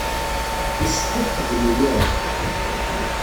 Yessefk ad t-tgem imir-a.